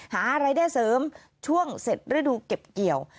หารายได้เสริมช่วงเสร็จฤดูเก็บเกี่ยว